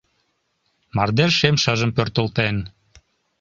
Мардеж шем шыжым пӧртылтен.